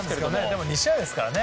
でも２試合ですからね。